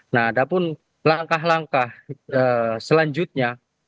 nah adapun langkah langkah selanjutnya